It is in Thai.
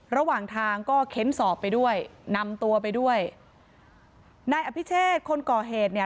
ระหว่างทางก็เค้นสอบไปด้วยนำตัวไปด้วยนายอภิเชษคนก่อเหตุเนี่ย